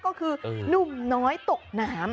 ก็คือหนุ่มน้อยตกน้ำ